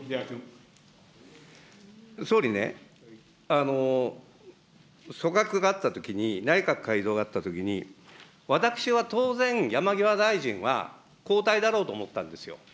総理ね、組閣があったときに内閣改造があったときに、私は当然、山際大臣は交代だろうと思ったんですよ。